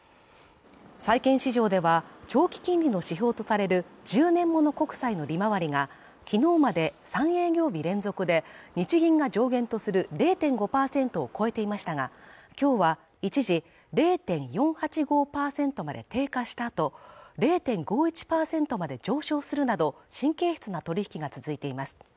債券市場では長期金利の指標とされる１０年物国債の利回りがきのうまで３営業日連続で日銀が上限とする０．５％を超えていましたが今日は一時０．４８５％まで低下したあと０．５１％まで上昇するなど神経質な取り引きが続いています